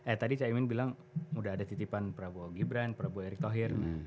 eh tadi caimin bilang udah ada titipan prabowo gibran prabowo erick thohir